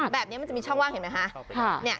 มันจะมีช่องว่างเห็นไหมคะ